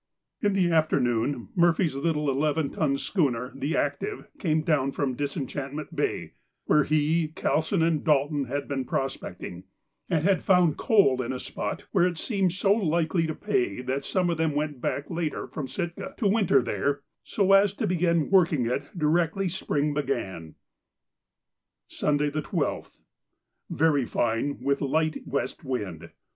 In the afternoon Murphy's little eleven ton schooner, the 'Active,' came down from Disenchantment Bay, where he, Callsen, and Dalton had been prospecting, and had found coal in a spot where it seemed so likely to pay that some of them went back later from Sitka to winter there, so as to begin working it directly spring began. Sunday, the 12th.—Very fine, with a light west wind.